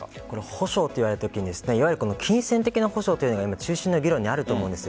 補償といわれたときにいわゆる金銭的な補償というのが中心の議論にあると思うんです。